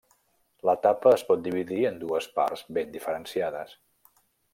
L'etapa es pot dividir en dues parts ben diferenciades.